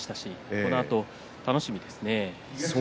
このあとが楽しみですね。